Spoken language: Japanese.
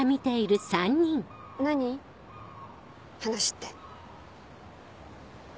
話って。